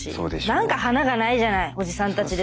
「何か華がないじゃないおじさんたちで作ってたら」。